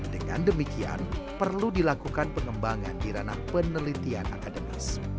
dengan demikian perlu dilakukan pengembangan di ranah penelitian akademis